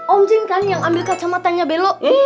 om jin kan yang ambil kacamatanya bello